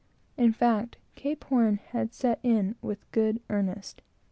In fact, Cape Horn had set in with good earnest.